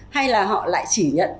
hay là họ lại chỉ nhận